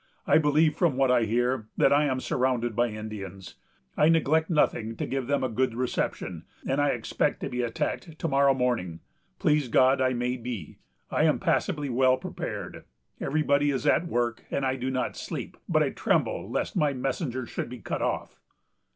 I believe, from what I hear, that I am surrounded by Indians. I neglect nothing to give them a good reception; and I expect to be attacked to morrow morning. Please God I may be. I am passably well prepared. Everybody is at work, and I do not sleep; but I tremble lest my messenger should be cut off."